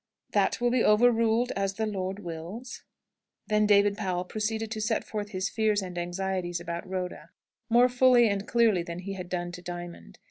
"That will be overruled as the Lord wills." Then David Powell proceeded to set forth his fears and anxieties about Rhoda, more fully and clearly than he had done to Diamond.